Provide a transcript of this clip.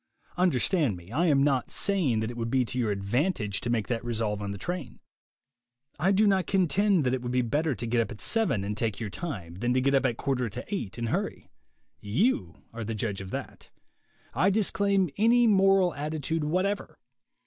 Understand me, I am not saying that it would be to your advantage to make that resolve on the train. I do not contend that it would be better to 36 THE WAY TO WILL POWER get up at seven and take your time than to get up at quarter to eight and hurry. You are the judge of that. I disclaim any moral attitude whatever.